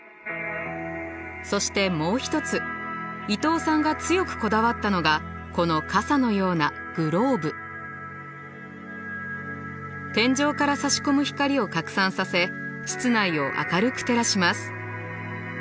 そしてもう一つ伊東さんが強くこだわったのがこの傘のような天井からさし込む光を拡散させ室内を明るく照らします。